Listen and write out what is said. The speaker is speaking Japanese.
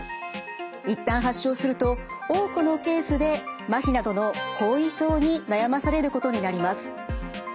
一旦発症すると多くのケースでマヒなどの後遺症に悩まされることになります。